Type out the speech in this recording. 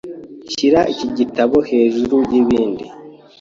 Shyira iki gitabo hejuru yabandi.